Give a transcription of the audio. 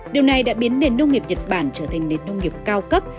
điều này đã biến nền nông nghiệp nhật bản trở thành nền nông nghiệp cao cấp